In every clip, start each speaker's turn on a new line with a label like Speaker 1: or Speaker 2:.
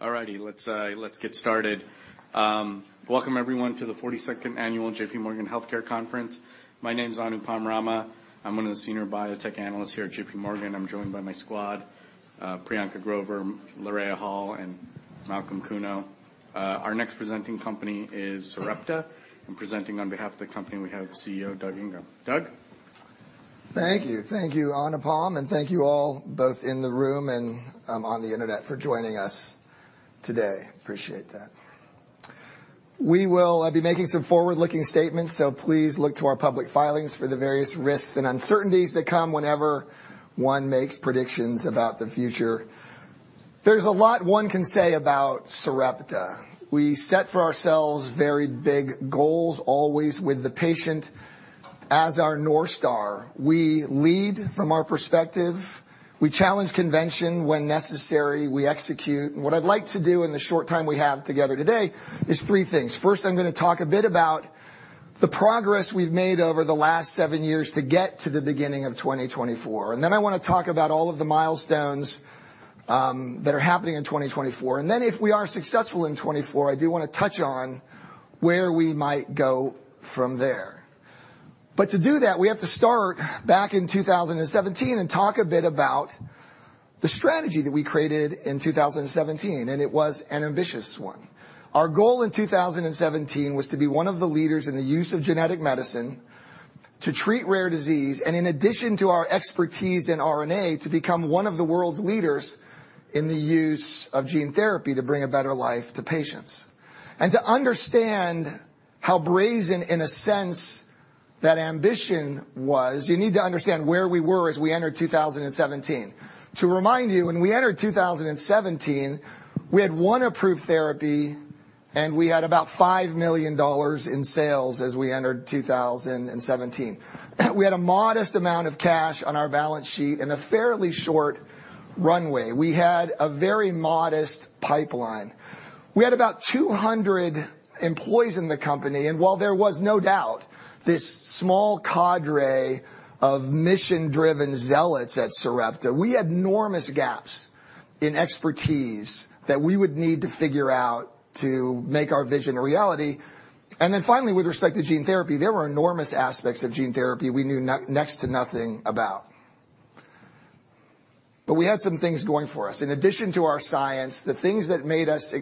Speaker 1: All righty, let's, let's get started. Welcome everyone, to the 42nd annual J.P. Morgan Healthcare Conference. My name's Anupam Rama. I'm one of the senior biotech analysts here at J.P. Morgan. I'm joined by my squad, Priyanka Grover, Lora Hall, and Malcolm Kuno. Our next presenting company is Sarepta, and presenting on behalf of the company, we have CEO Doug Ingram. Doug?
Speaker 2: Thank you. Thank you, Anupam, and thank you all, both in the room and on the Internet, for joining us today. Appreciate that. We will be making some forward-looking statements, so please look to our public filings for the various risks and uncertainties that come whenever one makes predictions about the future. There's a lot one can say about Sarepta. We set for ourselves very big goals, always with the patient as our North Star. We lead from our perspective. We challenge convention when necessary, we execute. What I'd like to do in the short time we have together today is three things: First, I'm gonna talk a bit about the progress we've made over the last seven years to get to the beginning of 2024. And then I wanna talk about all of the milestones that are happening in 2024. Then, if we are successful in 2024, I do wanna touch on where we might go from there. But to do that, we have to start back in 2017 and talk a bit about the strategy that we created in 2017, and it was an ambitious one. Our goal in 2017 was to be one of the leaders in the use of genetic medicine to treat rare disease, and in addition to our expertise in RNA, to become one of the world's leaders in the use of gene therapy, to bring a better life to patients. To understand how brazen, in a sense, that ambition was, you need to understand where we were as we entered 2017. To remind you, when we entered 2017, we had one approved therapy, and we had about $5 million in sales as we entered 2017. We had a modest amount of cash on our balance sheet and a fairly short runway. We had a very modest pipeline. We had about 200 employees in the company, and while there was no doubt, this small cadre of mission-driven zealots at Sarepta, we had enormous gaps in expertise that we would need to figure out to make our vision a reality. Then finally, with respect to gene therapy, there were enormous aspects of gene therapy we knew next to nothing about. But we had some things going for us. In addition to our science, the things that made us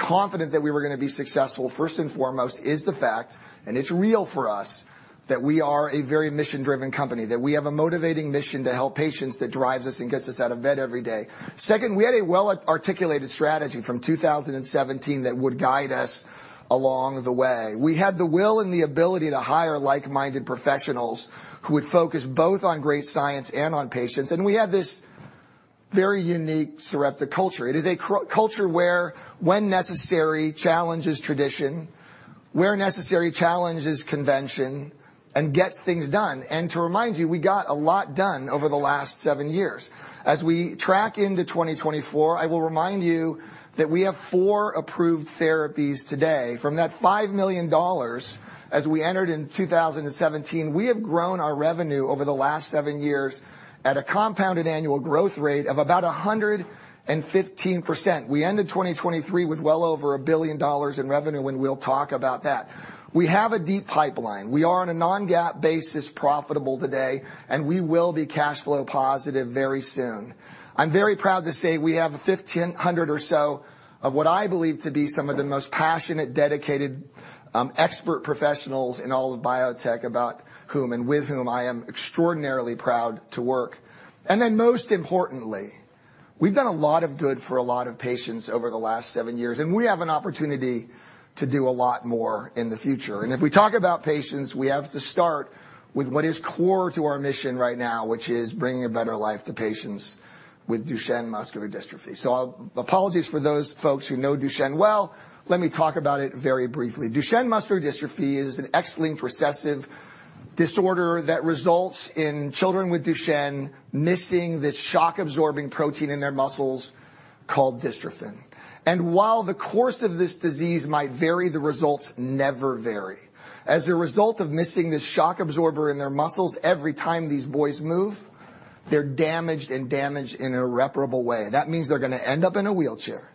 Speaker 2: confident that we were gonna be successful, first and foremost, is the fact, and it's real for us, that we are a very mission-driven company, that we have a motivating mission to help patients that drives us and gets us out of bed every day. Second, we had a well-articulated strategy from 2017 that would guide us along the way. We had the will and the ability to hire like-minded professionals who would focus both on great science and on patients, and we had this very unique Sarepta culture. It is a culture where, when necessary, challenges tradition, where necessary, challenges convention, and gets things done. And to remind you, we got a lot done over the last seven years. As we track into 2024, I will remind you that we have four approved therapies today. From that $5 million as we entered in 2017, we have grown our revenue over the last seven years at a compounded annual growth rate of about 115%. We ended 2023 with well over $1 billion in revenue, and we'll talk about that. We have a deep pipeline. We are, on a non-GAAP basis, profitable today, and we will be cash flow positive very soon. I'm very proud to say we have 1,500 or so of what I believe to be some of the most passionate, dedicated, expert professionals in all of biotech, about whom and with whom I am extraordinarily proud to work. And then, most importantly, we've done a lot of good for a lot of patients over the last seven years, and we have an opportunity to do a lot more in the future. If we talk about patients, we have to start with what is core to our mission right now, which is bringing a better life to patients with Duchenne Muscular Dystrophy. So I'll apologies for those folks who know Duchenne well. Let me talk about it very briefly. Duchenne Muscular Dystrophy is an X-linked recessive disorder that results in children with Duchenne missing this shock-absorbing protein in their muscles called dystrophin. And while the course of this disease might vary, the results never vary. As a result of missing this shock absorber in their muscles, every time these boys move, they're damaged, and damaged in an irreparable way. That means they're gonna end up in a wheelchair.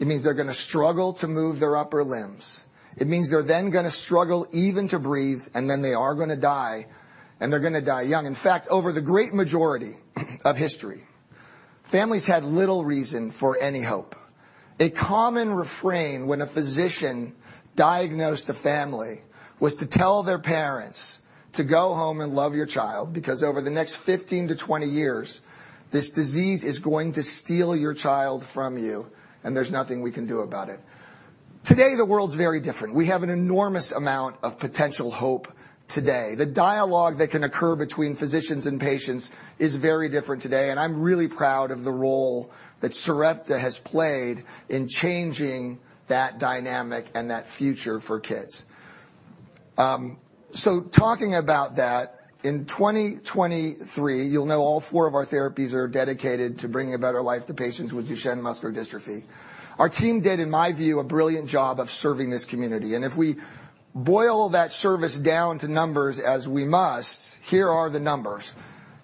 Speaker 2: It means they're gonna struggle to move their upper limbs. It means they're then gonna struggle even to breathe, and then they are gonna die, and they're gonna die young. In fact, over the great majority of history, families had little reason for any hope. A common refrain when a physician diagnosed a family was to tell their parents to go home and love your child, because over the next 15-20 years, this disease is going to steal your child from you, and there's nothing we can do about it. Today, the world's very different. We have an enormous amount of potential hope today. The dialogue that can occur between physicians and patients is very different today, and I'm really proud of the role that Sarepta has played in changing that dynamic and that future for kids. So talking about that, in 2023, you'll know all four of our therapies are dedicated to bringing a better life to patients with Duchenne muscular dystrophy. Our team did, in my view, a brilliant job of serving this community, and if we boil that service down to numbers, as we must, here are the numbers.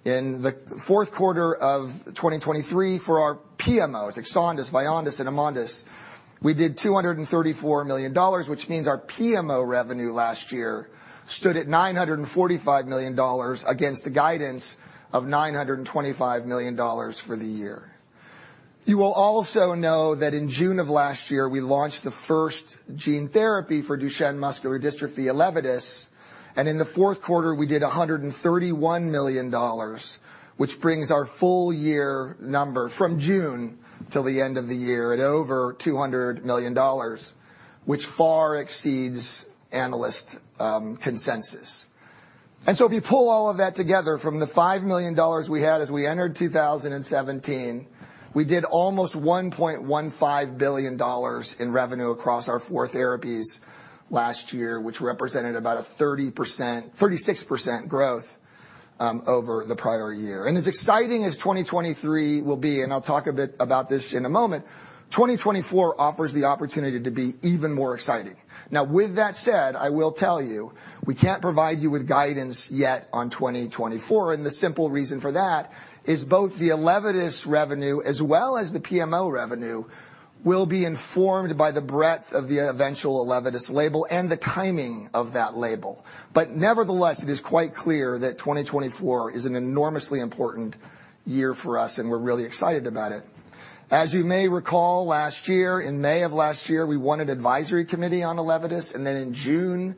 Speaker 2: In the fourth quarter of 2023 for our PMOs, EXONDYS, VYONDYS, and AMONDYS, we did $234 million, which means our PMO revenue last year stood at $945 million against the guidance of $925 million for the year. You will also know that in June of last year, we launched the first gene therapy for Duchenne muscular dystrophy, ELEVIDYS, and in the fourth quarter, we did $131 million, which brings our full year number from June till the end of the year at over $200 million, which far exceeds analyst consensus. So if you pull all of that together from the $5 million we had as we entered 2017, we did almost $1.15 billion in revenue across our four therapies last year, which represented about 30%-36% growth over the prior year. As exciting as 2023 will be, and I'll talk a bit about this in a moment, 2024 offers the opportunity to be even more exciting. Now, with that said, I will tell you, we can't provide you with guidance yet on 2024, and the simple reason for that is both the ELEVIDYS revenue, as well as the PMO revenue, will be informed by the breadth of the eventual ELEVIDYS label and the timing of that label. But nevertheless, it is quite clear that 2024 is an enormously important year for us, and we're really excited about it. As you may recall, last year, in May of last year, we won an advisory committee on ELEVIDYS, and then in June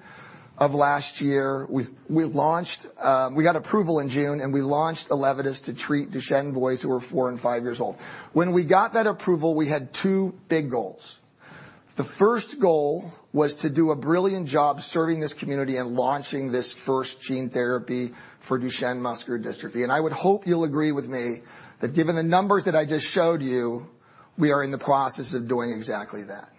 Speaker 2: of last year, we launched. We got approval in June, and we launched ELEVIDYS to treat Duchenne boys who were four and five years old. When we got that approval, we had two big goals. The first goal was to do a brilliant job serving this community and launching this first gene therapy for Duchenne muscular dystrophy. I would hope you'll agree with me that given the numbers that I just showed you, we are in the process of doing exactly that.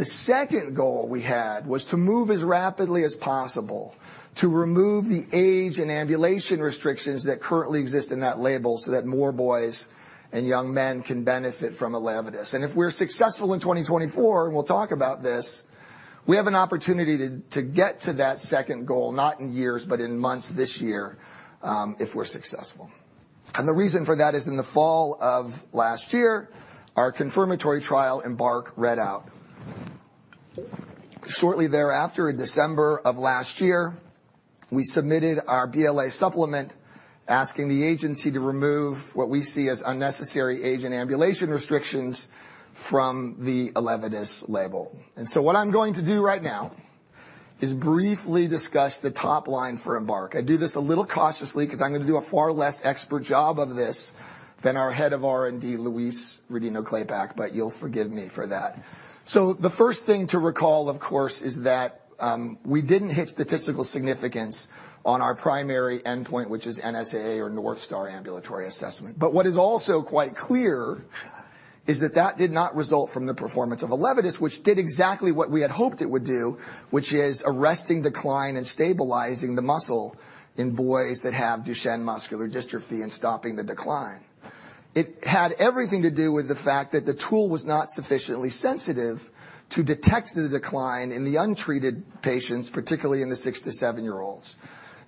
Speaker 2: The second goal we had was to move as rapidly as possible to remove the age and ambulation restrictions that currently exist in that label so that more boys and young men can benefit from ELEVIDYS. If we're successful in 2024, and we'll talk about this, we have an opportunity to get to that second goal, not in years, but in months this year, if we're successful. The reason for that is in the fall of last year, our confirmatory trial, EMBARK, read out. Shortly thereafter, in December of last year, we submitted our BLA supplement, asking the agency to remove what we see as unnecessary age and ambulation restrictions from the ELEVIDYS label. So what I'm going to do right now is briefly discuss the top line for EMBARK. I do this a little cautiously because I'm gonna do a far less expert job of this than our head of R&D, Louise Rodino-Klapac, but you'll forgive me for that. The first thing to recall, of course, is that we didn't hit statistical significance on our primary endpoint, which is NSAA or North Star Ambulatory Assessment. But what is also quite clear is that that did not result from the performance of ELEVIDYS, which did exactly what we had hoped it would do, which is arresting decline and stabilizing the muscle in boys that have Duchenne muscular dystrophy and stopping the decline. It had everything to do with the fact that the tool was not sufficiently sensitive to detect the decline in the untreated patients, particularly in the six to seven year-olds.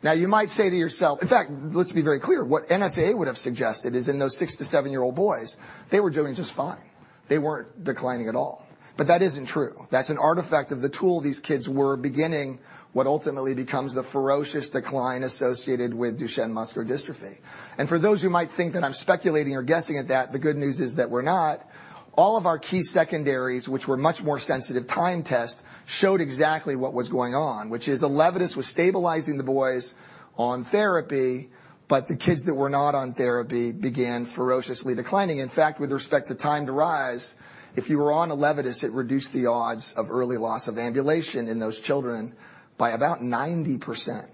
Speaker 2: Now, you might say to yourself... In fact, let's be very clear. What NSAA would have suggested is in those six to seven year-old boys, they were doing just fine. They weren't declining at all. But that isn't true. That's an artifact of the tool. These kids were beginning what ultimately becomes the ferocious decline associated with Duchenne Muscular Dystrophy. And for those who might think that I'm speculating or guessing at that, the good news is that we're not. All of our key secondaries, which were much more sensitive, time-tested, showed exactly what was going on, which is ELEVIDYS was stabilizing the boys on therapy, but the kids that were not on therapy began ferociously declining. In fact, with respect to time to rise, if you were on ELEVIDYS, it reduced the odds of early loss of ambulation in those children by about 90%.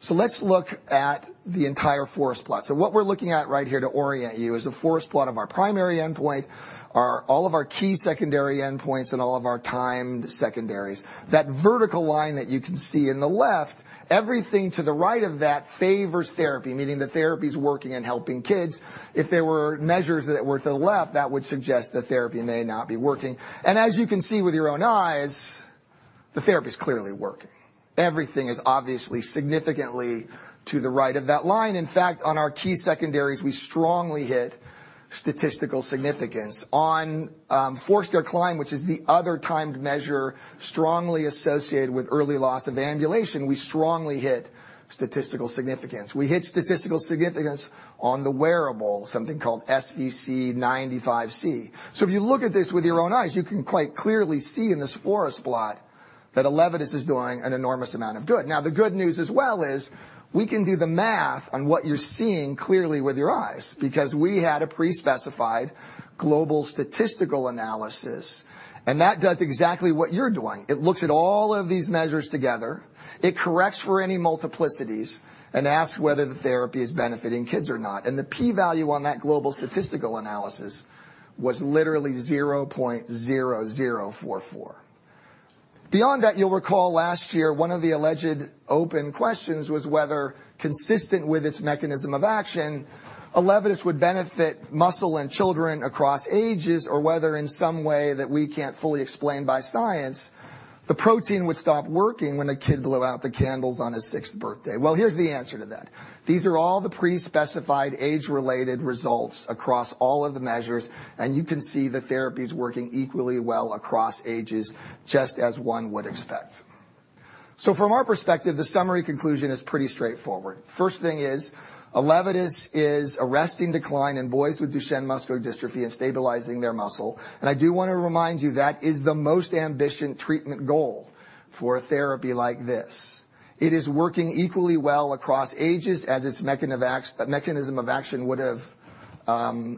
Speaker 2: So let's look at the entire forest plot. So what we're looking at right here to orient you is a forest plot of our primary endpoint, are all of our key secondary endpoints, and all of our timed secondaries. That vertical line that you can see in the left, everything to the right of that favors therapy, meaning the therapy's working and helping kids. If there were measures that were to the left, that would suggest the therapy may not be working. And as you can see with your own eyes, the therapy is clearly working. Everything is obviously significantly to the right of that line. In fact, on our key secondaries, we strongly hit statistical significance. On forced decline, which is the other timed measure, strongly associated with early loss of ambulation, we strongly hit statistical significance. We hit statistical significance on the wearable, something called SVC95C. So if you look at this with your own eyes, you can quite clearly see in this forest plot that ELEVIDYS is doing an enormous amount of good. Now, the good news as well is we can do the math on what you're seeing clearly with your eyes, because we had a pre-specified global statistical analysis, and that does exactly what you're doing. It looks at all of these measures together, it corrects for any multiplicities, and asks whether the therapy is benefiting kids or not. And the p-value on that global statistical analysis was literally 0.0044. Beyond that, you'll recall last year, one of the alleged open questions was whether, consistent with its mechanism of action, ELEVIDYS would benefit muscle in children across ages, or whether in some way that we can't fully explain by science, the protein would stop working when a kid blew out the candles on his sixth birthday. Well, here's the answer to that. These are all the pre-specified age-related results across all of the measures, and you can see the therapy's working equally well across ages, just as one would expect. From our perspective, the summary conclusion is pretty straightforward. First thing is, ELEVIDYS is arresting decline in boys with Duchenne muscular dystrophy and stabilizing their muscle. I do want to remind you, that is the most ambitious treatment goal for a therapy like this. It is working equally well across ages as its mechanism of action would have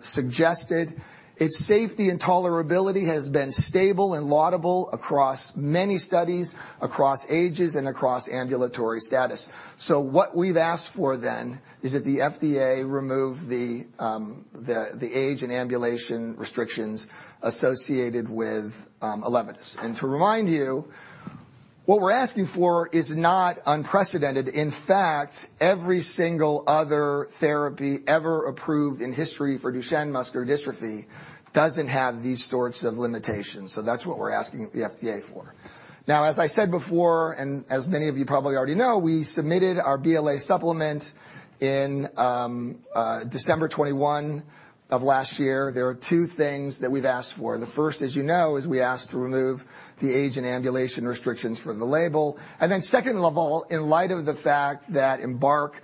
Speaker 2: suggested. Its safety and tolerability has been stable and laudable across many studies, across ages, and across ambulatory status. So what we've asked for then is that the FDA remove the age and ambulation restrictions associated with ELEVIDYS. And to remind you, what we're asking for is not unprecedented. In fact, every single other therapy ever approved in history for Duchenne Muscular Dystrophy doesn't have these sorts of limitations, so that's what we're asking the FDA for. Now, as I said before, and as many of you probably already know, we submitted our BLA supplement in December 2021 of last year. There are two things that we've asked for. The first, as you know, is we asked to remove the age and ambulation restrictions from the label. Then second of all, in light of the fact that EMBARK,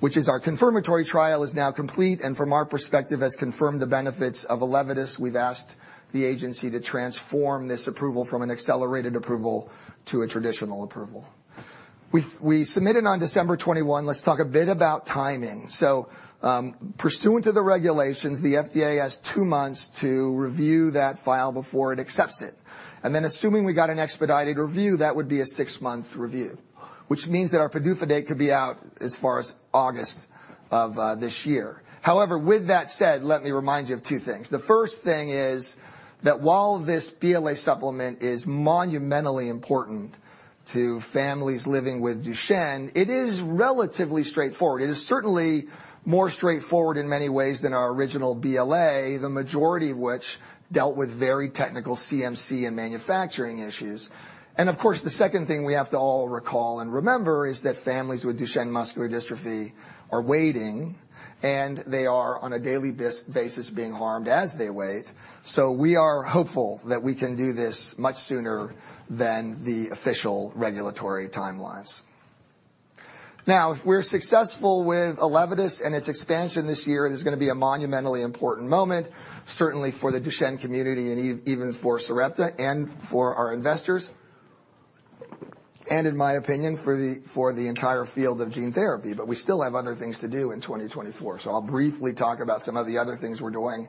Speaker 2: which is our confirmatory trial, is now complete, and from our perspective, has confirmed the benefits of ELEVIDYS, we've asked the agency to transform this approval from an Accelerated Approval to a traditional approval. We, we submitted on December 21. Let's talk a bit about timing. So, pursuant to the regulations, the FDA has 2 months to review that file before it accepts it. And then, assuming we got an expedited review, that would be a six-month review, which means that our PDUFA date could be out as far as August of this year. However, with that said, let me remind you of two things. The first thing is that while this BLA supplement is monumentally important to families living with Duchenne, it is relatively straightforward. It is certainly more straightforward in many ways than our original BLA, the majority of which dealt with very technical CMC and manufacturing issues. And of course, the second thing we have to all recall and remember is that families with Duchenne Muscular Dystrophy are waiting, and they are, on a daily basis, being harmed as they wait. So we are hopeful that we can do this much sooner than the official regulatory timelines. Now, if we're successful with ELEVIDYS and its expansion this year, it's gonna be a monumentally important moment, certainly for the Duchenne community and even for Sarepta and for our investors, and in my opinion, for the entire field of gene therapy. But we still have other things to do in 2024, so I'll briefly talk about some of the other things we're doing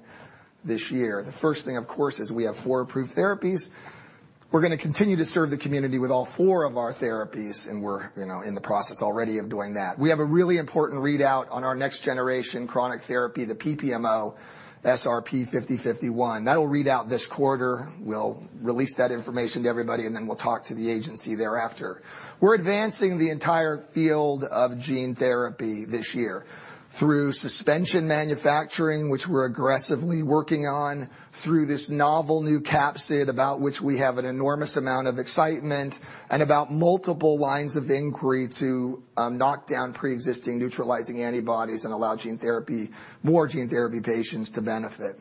Speaker 2: this year. The first thing, of course, is we have four approved therapies. We're gonna continue to serve the community with all four of our therapies, and we're, you know, in the process already of doing that. We have a really important readout on our next-generation chronic therapy, the PPMO, SRP-5051. That'll read out this quarter. We'll release that information to everybody, and then we'll talk to the agency thereafter. We're advancing the entire field of gene therapy this year through suspension manufacturing, which we're aggressively working on, through this novel new capsid, about which we have an enormous amount of excitement, and about multiple lines of inquiry to knock down pre-existing neutralizing antibodies and allow gene therapy- more gene therapy patients to benefit.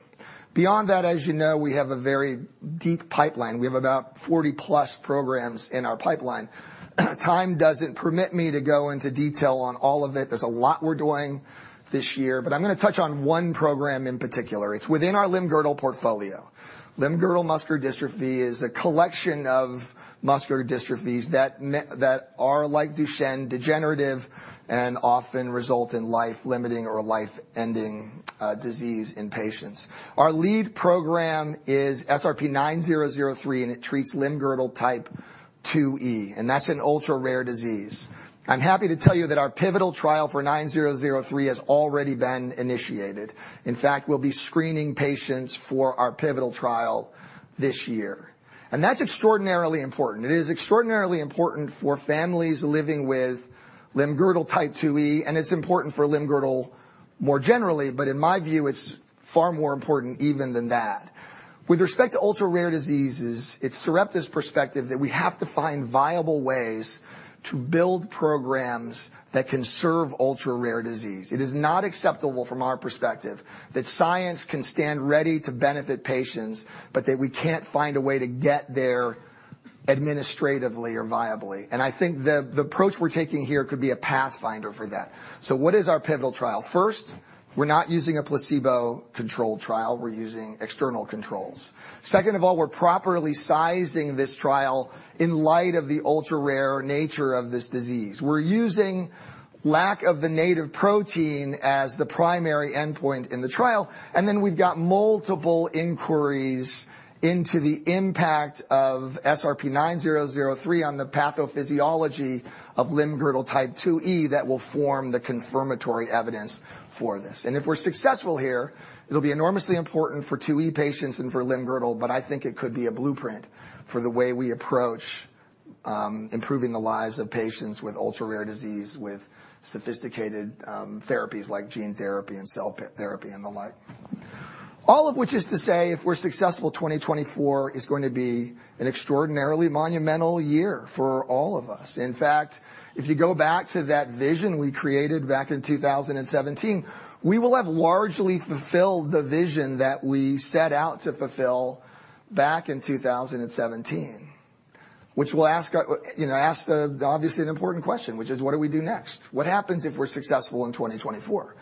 Speaker 2: Beyond that, as you know, we have a very deep pipeline. We have about 40-plus programs in our pipeline. Time doesn't permit me to go into detail on all of it. There's a lot we're doing this year, but I'm gonna touch on one program in particular. It's within our Limb-Girdle portfolio. Limb-Girdle muscular dystrophy is a collection of muscular dystrophies that are, like Duchenne, degenerative and often result in life-limiting or life-ending disease in patients. Our lead program is SRP-9003, and it treats Limb-Girdle type 2E, and that's an ultra-rare disease. I'm happy to tell you that our pivotal trial for 9003 has already been initiated. In fact, we'll be screening patients for our pivotal trial this year, and that's extraordinarily important. It is extraordinarily important for families living with limb-girdle type 2E, and it's important for limb-girdle more generally, but in my view, it's far more important even than that. With respect to ultra-rare diseases, it's Sarepta's perspective that we have to find viable ways to build programs that can serve ultra-rare disease. It is not acceptable from our perspective that science can stand ready to benefit patients, but that we can't find a way to get there administratively or viably. And I think the approach we're taking here could be a pathfinder for that. So what is our pivotal trial? First, we're not using a placebo-controlled trial. We're using external controls. Second of all, we're properly sizing this trial in light of the ultra-rare nature of this disease. We're using lack of the native protein as the primary endpoint in the trial, and then we've got multiple inquiries into the impact of SRP-9003 on the pathophysiology of Limb-girdle type 2E that will form the confirmatory evidence for this. If we're successful here, it'll be enormously important for 2E patients and for Limb-girdle, but I think it could be a blueprint for the way we approach improving the lives of patients with ultra-rare disease, with sophisticated therapies like gene therapy and cell therapy and the like. All of which is to say, if we're successful, 2024 is going to be an extraordinarily monumental year for all of us. In fact, if you go back to that vision we created back in 2017, we will have largely fulfilled the vision that we set out to fulfill back in 2017. Which will ask us, you know, obviously, an important question, which is: What do we do next? What happens if we're successful in 2024?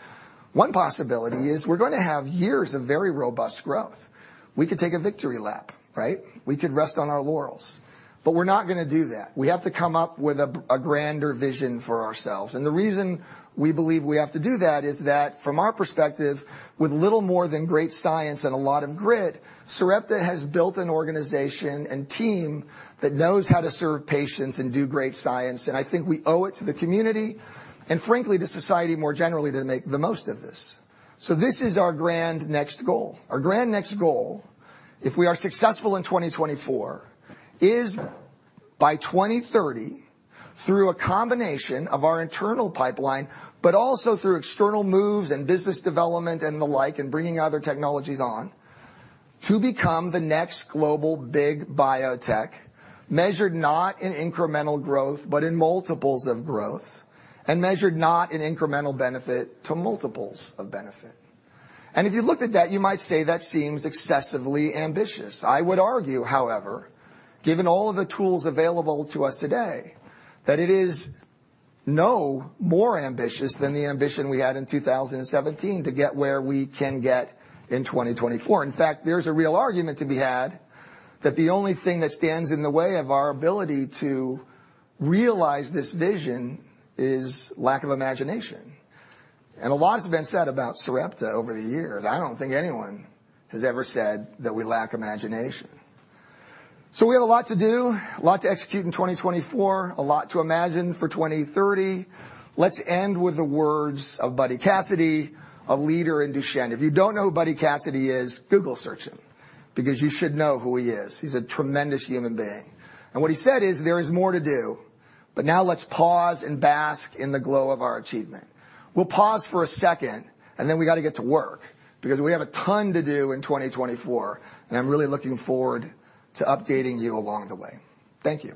Speaker 2: One possibility is we're going to have years of very robust growth. We could take a victory lap, right? We could rest on our laurels, but we're not gonna do that. We have to come up with a grander vision for ourselves. And the reason we believe we have to do that is that, from our perspective, with little more than great science and a lot of grit, Sarepta has built an organization and team that knows how to serve patients and do great science. And I think we owe it to the community and, frankly, to society more generally, to make the most of this. So this is our grand next goal. Our grand next goal, if we are successful in 2024, is by 2030, through a combination of our internal pipeline, but also through external moves and business development and the like, and bringing other technologies on, to become the next global big biotech, measured not in incremental growth, but in multiples of growth, and measured not in incremental benefit to multiples of benefit. If you looked at that, you might say that seems excessively ambitious. I would argue, however, given all of the tools available to us today, that it is no more ambitious than the ambition we had in 2017 to get where we can get in 2024. In fact, there's a real argument to be had that the only thing that stands in the way of our ability to realize this vision is lack of imagination. And a lot has been said about Sarepta over the years. I don't think anyone has ever said that we lack imagination. So we have a lot to do, a lot to execute in 2024, a lot to imagine for 2030. Let's end with the words of Buddy Cassidy, a leader in Duchenne. If you don't know who Buddy Cassidy is, Google search him, because you should know who he is. He's a tremendous human being. And what he said is: "There is more to do, but now let's pause and bask in the glow of our achievement." We'll pause for a second, and then we got to get to work, because we have a ton to do in 2024, and I'm really looking forward to updating you along the way. Thank you.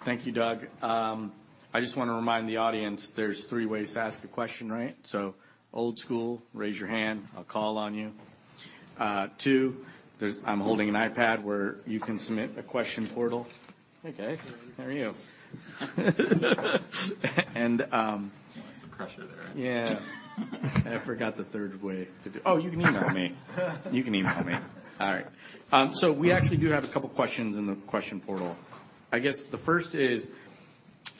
Speaker 1: Thank you, Doug. I just want to remind the audience, there's three ways to ask a question, right? So old school, raise your hand, I'll call on you. Two, there's an iPad where you can submit a question portal.
Speaker 3: Hey, guys, how are you? There's some pressure there.
Speaker 1: Yeah. Oh, you can email me. You can email me. All right, so we actually do have a couple questions in the question portal. I guess the first is: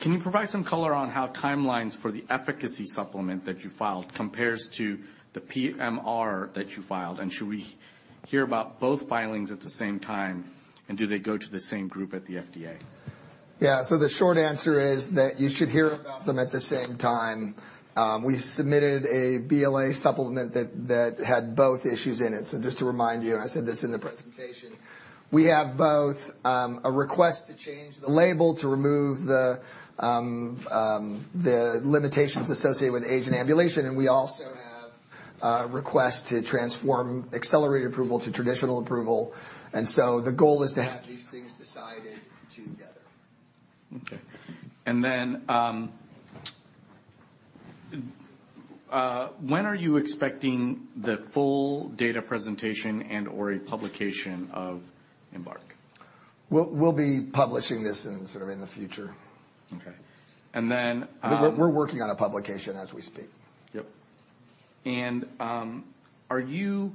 Speaker 1: Can you provide some color on how timelines for the efficacy supplement that you filed compares to the PMR that you filed, and should we hear about both filings at the same time, and do they go to the same group at the FDA?
Speaker 2: Yeah. So the short answer is that you should hear about them at the same time. We've submitted a BLA supplement that, that had both issues in it. So just to remind you, and I said this in the presentation, we have both, a request to change the label to remove the, the limitations associated with age and ambulation, and we also have a request to transform accelerated approval to traditional approval. And so the goal is to have these things decided together.
Speaker 1: Okay. And then, when are you expecting the full data presentation and/or a publication of EMBARK?
Speaker 2: We'll be publishing this in, sort of, in the future.
Speaker 1: Okay. And then,
Speaker 2: We're working on a publication as we speak.
Speaker 1: Yep. And, are you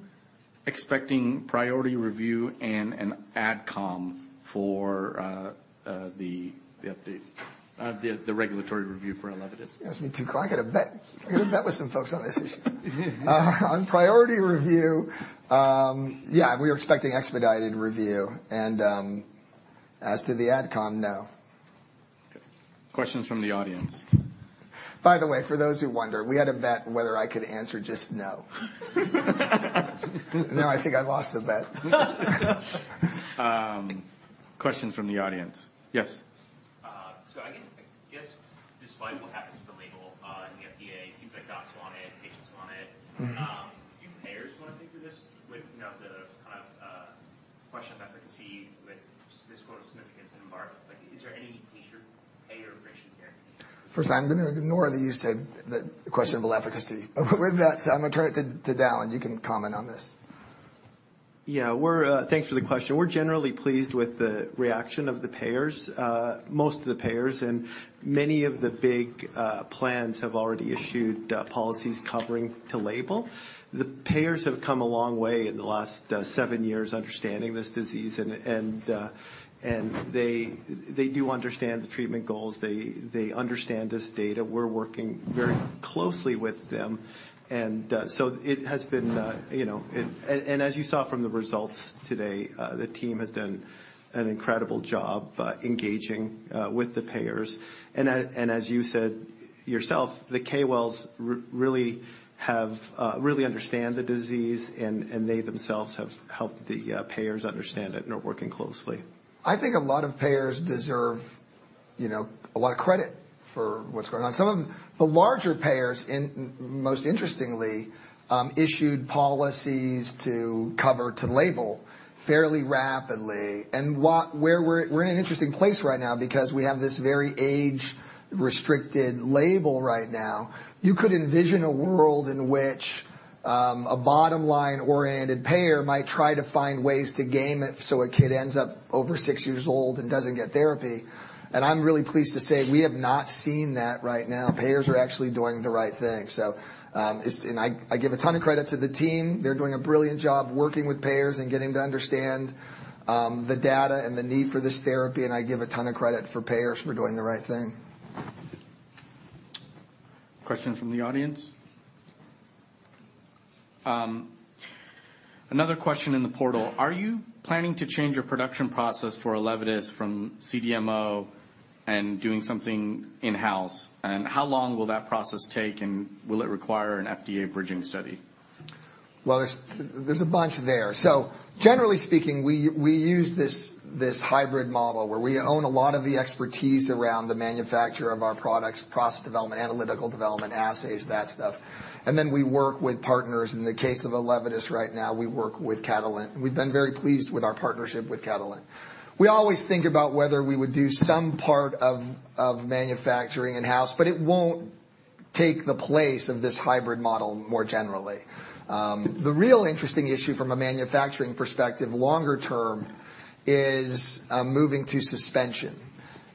Speaker 1: expecting priority review and an ad com for the update, the regulatory review for ELEVIDYS?
Speaker 2: You asked me to... I got a bet. I got a bet with some folks on this issue. On priority review, yeah, we are expecting expedited review and, as to the ad com, no.
Speaker 1: Questions from the audience.
Speaker 2: By the way, for those who wonder, we had a bet whether I could answer just no. No, I think I lost the bet.
Speaker 1: Questions from the audience. Yes?
Speaker 3: I guess, despite what happens with the label, and the FDA, it seems like docs want it, patients want it.
Speaker 2: Mm-hmm.
Speaker 3: Do payers want to pay for this with, you know, the kind of, question of efficacy with this quote, "significance in EMBARK?" Like, is there any payer friction here?
Speaker 2: First, I'm gonna ignore that you said that questionable efficacy. With that said, I'm gonna turn it to Dallan. You can comment on this.
Speaker 4: Yeah, we're... Thanks for the question. We're generally pleased with the reaction of the payers, most of the payers, and many of the big plans have already issued policies covering to label. The payers have come a long way in the last seven years understanding this disease, and, and, and they, they do understand the treatment goals. They, they understand this data. We're working very closely with them, and, so it has been, and, and as you saw from the results today, the team has done an incredible job engaging with the payers. And as you said,
Speaker 1: .yourself, the Kay Wells really have really understand the disease, and they themselves have helped the payers understand it and are working closely.
Speaker 2: I think a lot of payers deserve, you know, a lot of credit for what's going on. Some of them, the larger payers, and most interestingly, issued policies to cover to label fairly rapidly. And we're in an interesting place right now because we have this very age-restricted label right now. You could envision a world in which, a bottom line-oriented payer might try to find ways to game it, so a kid ends up over six years old and doesn't get therapy. And I'm really pleased to say we have not seen that right now. Payers are actually doing the right thing. So, it's... And I give a ton of credit to the team. They're doing a brilliant job working with payers and getting to understand the data and the need for this therapy, and I give a ton of credit for payers for doing the right thing.
Speaker 1: Questions from the audience? Another question in the portal: Are you planning to change your production process for ELEVIDYS from CDMO and doing something in-house? And how long will that process take, and will it require an FDA bridging study?
Speaker 2: Well, there's a bunch there. So generally speaking, we use this hybrid model, where we own a lot of the expertise around the manufacture of our products, process development, analytical development, assays, that stuff. And then we work with partners. In the case of ELEVIDYS right now, we work with Catalent. We've been very pleased with our partnership with Catalent. We always think about whether we would do some part of manufacturing in-house, but it won't take the place of this hybrid model more generally. The real interesting issue from a manufacturing perspective, longer term, is moving to suspension,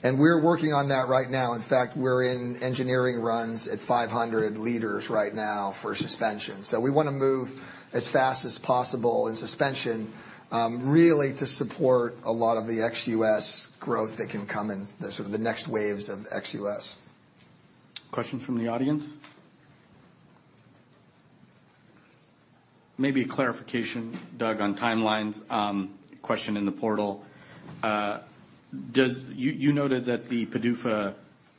Speaker 2: and we're working on that right now. In fact, we're in engineering runs at 500 liters right now for suspension. We wanna move as fast as possible in suspension, really to support a lot of the ex-U.S. growth that can come in the sort of the next waves of ex-U.S.
Speaker 1: Questions from the audience? Maybe a clarification, Doug, on timelines. Question in the portal. You noted that the PDUFA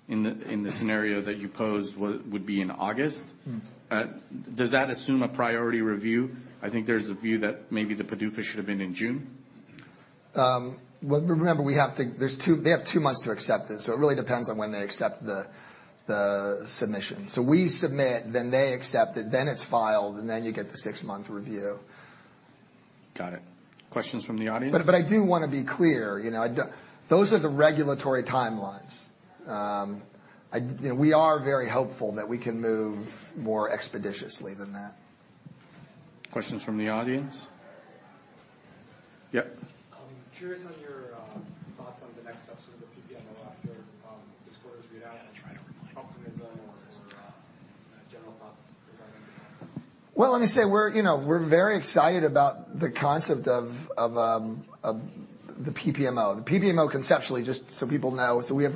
Speaker 1: in the scenario that you posed, would be in August?
Speaker 2: Mm-hmm.
Speaker 1: Does that assume a priority review? I think there's a view that maybe the PDUFA should have been in June.
Speaker 2: Well, remember, we have to—there's two—they have two months to accept this, so it really depends on when they accept the, the submission. So we submit, then they accept it, then it's filed, and then you get the six-month review.
Speaker 1: Got it. Questions from the audience?
Speaker 2: But I do wanna be clear, you know, those are the regulatory timelines. You know, we are very hopeful that we can move more expeditiously than that.
Speaker 1: Questions from the audience? Yep.
Speaker 5: I'm curious on your thoughts on the next steps for the PPMO after the disclosure readout, optimism or general thoughts regarding that?
Speaker 2: Well, let me say we're, you know, we're very excited about the concept of the PPMO. The PPMO, conceptually, just so people know, so we have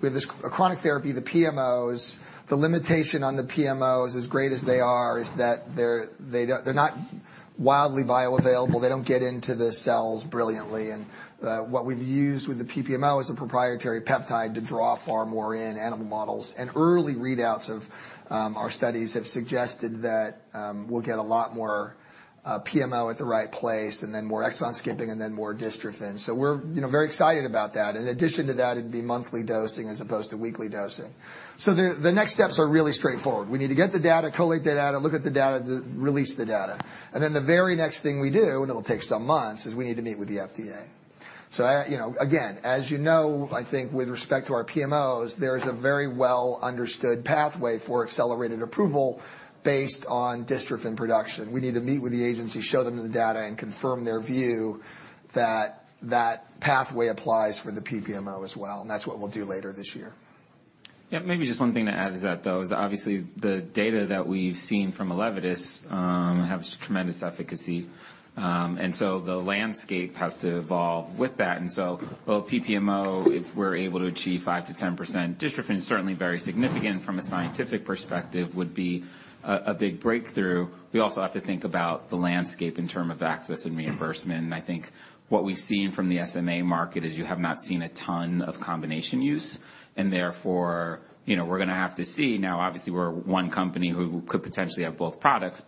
Speaker 2: this chronic therapy, the PMOs. The limitation on the PMOs, as great as they are, is that they're not wildly bioavailable. They don't get into the cells brilliantly, and what we've used with the PPMO is a proprietary peptide to draw far more in animal models. And early readouts of our studies have suggested that we'll get a lot more PMO at the right place, and then more exon skipping, and then more dystrophin. So we're, you know, very excited about that. In addition to that, it'd be monthly dosing as opposed to weekly dosing. So the next steps are really straightforward. We need to get the data, collate the data, look at the data, to release the data. And then the very next thing we do, and it'll take some months, is we need to meet with the FDA. So I, you know... Again, as you know, I think with respect to our PMOs, there's a very well-understood pathway for accelerated approval based on dystrophin production. We need to meet with the agency, show them the data, and confirm their view that that pathway applies for the PPMO as well, and that's what we'll do later this year.
Speaker 4: Yeah, maybe just one thing to add to that, though, is obviously the data that we've seen from ELEVIDYS has tremendous efficacy. And so the landscape has to evolve with that. And so, while PPMO, if we're able to achieve 5%-10% dystrophin, is certainly very significant from a scientific perspective, would be a big breakthrough. We also have to think about the landscape in terms of access and reimbursement. And I think what we've seen from the SMA market is you have not seen a ton of combination use, and therefore, you know, we're gonna have to see. Now, obviously, we're one company who could potentially have both products,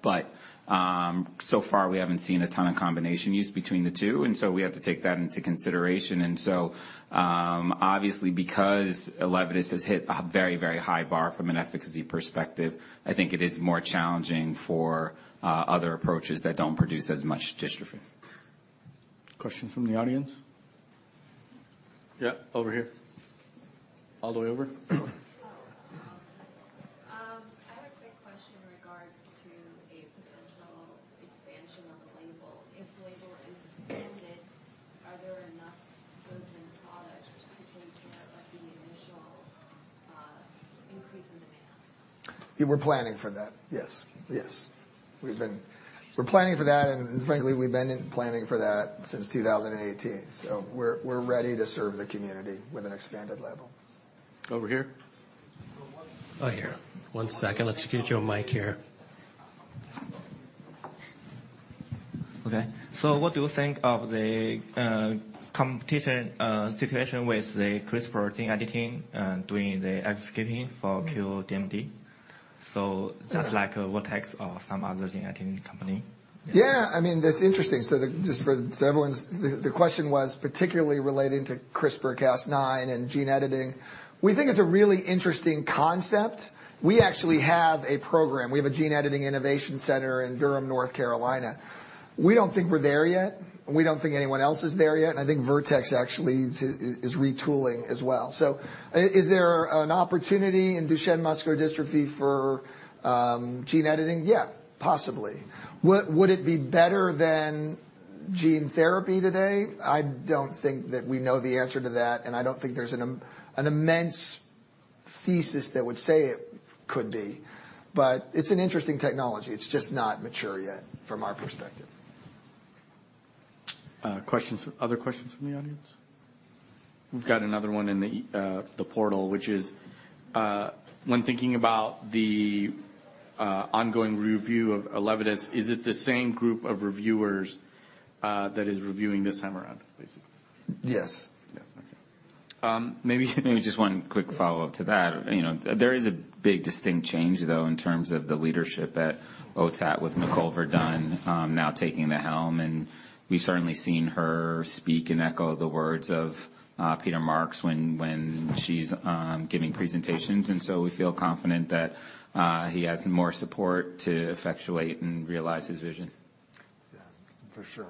Speaker 4: but so far, we haven't seen a ton of combination use between the two, and so we have to take that into consideration. Obviously, because ELEVIDYS has hit a very, very high bar from an efficacy perspective, I think it is more challenging for other approaches that don't produce as much dystrophin.
Speaker 1: Questions from the audience? Yeah, over here. All the way over.
Speaker 6: I had a quick question in regards to a potential expansion of the label. If the label is expanded, are there enough goods and products to continue to meet the initial, increase in demand?
Speaker 2: We're planning for that, yes. Yes. We've been, we're planning for that, and frankly, we've been planning for that since 2018. So we're, we're ready to serve the community with an expanded label.
Speaker 1: Over here. Oh, here. One second. Let's get you a mic here....
Speaker 7: Okay, so what do you think of the competition situation with the CRISPR gene editing doing the exon skipping for DMD? So just like Vertex or some other gene editing company.
Speaker 2: Yeah, I mean, that's interesting. So just for everyone's – the question was particularly relating to CRISPR-Cas9 and gene editing. We think it's a really interesting concept. We actually have a program. We have a Gene Editing Innovation Center in Durham, North Carolina. We don't think we're there yet, and we don't think anyone else is there yet, and I think Vertex actually is retooling as well. So is there an opportunity in Duchenne Muscular Dystrophy for gene editing? Yeah, possibly. Would it be better than gene therapy today? I don't think that we know the answer to that, and I don't think there's an immense thesis that would say it could be, but it's an interesting technology. It's just not mature yet, from our perspective.
Speaker 1: Questions, other questions from the audience? We've got another one in the portal, which is: When thinking about the ongoing review of ELEVIDYS, is it the same group of reviewers that is reviewing this time around, basically?
Speaker 2: Yes.
Speaker 1: Yeah. Okay.
Speaker 4: Maybe, maybe just one quick follow-up to that. You know, there is a big distinct change, though, in terms of the leadership at OTAT, with Nicole Verdun now taking the helm, and we've certainly seen her speak and echo the words of Peter Marks when she's giving presentations, and so we feel confident that he has more support to effectuate and realize his vision.
Speaker 2: Yeah, for sure.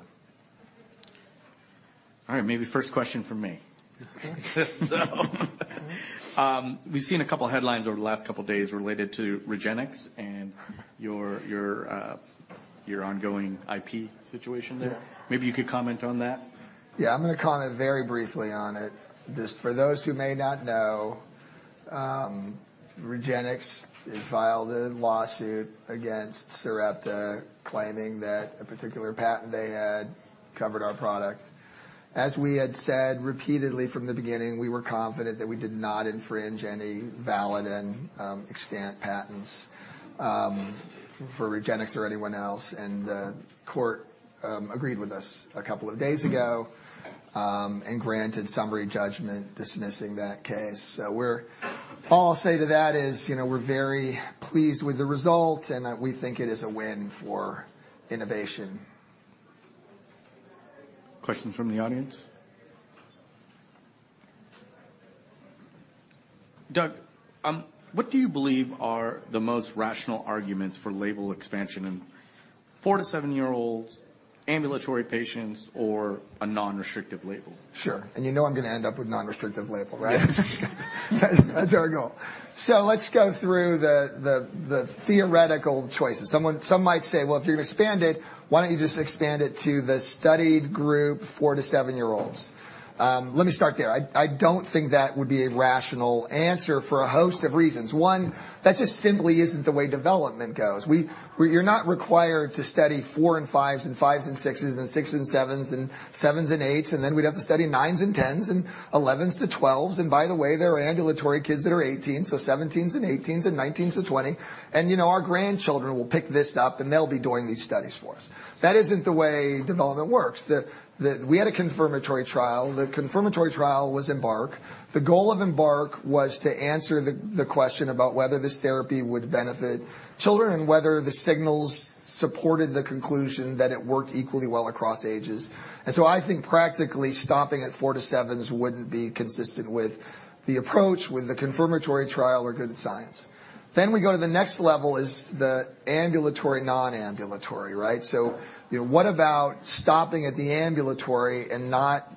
Speaker 1: All right, maybe the first question from me. So, we've seen a couple headlines over the last couple of days related to REGENXBIO and your ongoing IP situation there.
Speaker 2: Yeah.
Speaker 1: Maybe you could comment on that.
Speaker 2: Yeah, I'm going to comment very briefly on it. Just for those who may not know, REGENXBIO had filed a lawsuit against Sarepta, claiming that a particular patent they had covered our product. As we had said repeatedly from the beginning, we were confident that we did not infringe any valid and extant patents for REGENXBIO or anyone else, and the court agreed with us a couple of days ago and granted summary judgment, dismissing that case. So we're all I'll say to that is, you know, we're very pleased with the result, and we think it is a win for innovation.
Speaker 1: Questions from the audience?
Speaker 8: Doug, what do you believe are the most rational arguments for label expansion in four to seven year-olds, ambulatory patients, or a non-restrictive label?
Speaker 2: Sure, and you know I'm going to end up with non-restrictive label, right?
Speaker 8: Yes.
Speaker 2: That's, that's our goal. So let's go through the theoretical choices. Someone, some might say, "Well, if you're going to expand it, why don't you just expand it to the studied group, four to seven year-olds?" Let me start there. I don't think that would be a rational answer for a host of reasons. One, that just simply isn't the way development goes. You're not required to study fives and fives and fives and sixs and sevens and sevens and sevens and eights, and then we'd have to study nines and 10s and 11s to 12s. And, you know, our grandchildren will pick this up, and they'll be doing these studies for us. That isn't the way development works. We had a confirmatory trial. The confirmatory trial was EMBARK. The goal of EMBARK was to answer the question about whether this therapy would benefit children and whether the signals supported the conclusion that it worked equally well across ages. And so I think practically stopping at four to sevens wouldn't be consistent with the approach, with the confirmatory trial or good science. Then we go to the next level is the ambulatory, non-ambulatory, right? So, you know, what about stopping at the ambulatory and not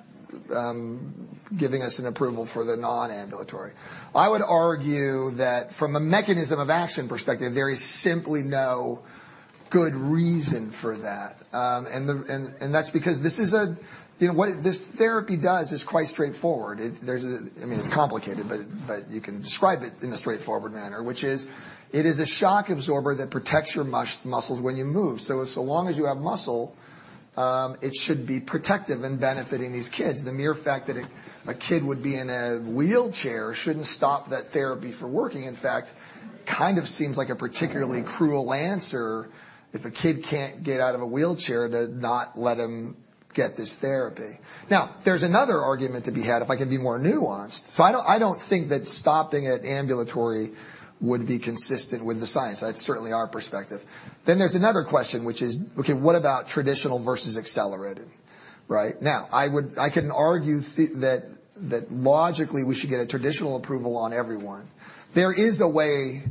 Speaker 2: giving us an approval for the non-ambulatory? I would argue that from a mechanism of action perspective, there is simply no good reason for that. And that's because this is a... You know, what this therapy does is quite straightforward. I mean, it's complicated, but you can describe it in a straightforward manner, which is it is a shock absorber that protects your muscles when you move. So as long as you have muscle, it should be protective and benefiting these kids. The mere fact that a kid would be in a wheelchair shouldn't stop that therapy from working. In fact, kind of seems like a particularly cruel answer if a kid can't get out of a wheelchair to not let him get this therapy. Now, there's another argument to be had, if I can be more nuanced. So I don't think that stopping at ambulatory would be consistent with the science. That's certainly our perspective. Then there's another question, which is, okay, what about traditional versus accelerated, right? Now, I can argue that logically, we should get a traditional approval on everyone. There is a way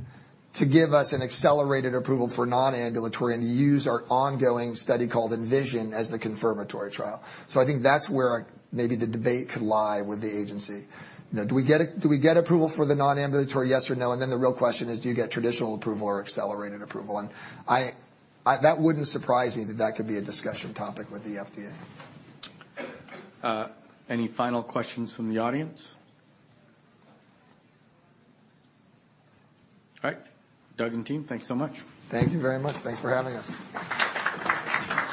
Speaker 2: to give us an Accelerated Approval for non-ambulatory and use our ongoing study called ENVISION as the confirmatory trial. So I think that's where maybe the debate could lie with the agency. Now, do we get approval for the non-ambulatory, yes or no? And then the real question is, do you get traditional approval or Accelerated Approval? And that wouldn't surprise me that that could be a discussion topic with the FDA.
Speaker 1: Any final questions from the audience? All right. Doug and team, thank you so much.
Speaker 2: Thank you very much. Thanks for having us.